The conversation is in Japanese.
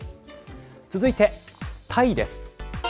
続いて、タイです。